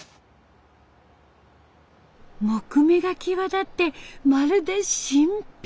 木目が際立ってまるで新品。